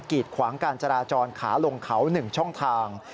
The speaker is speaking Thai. กีดขวางก่านจราจรข้าลงเขาหนึ่งช่องทาง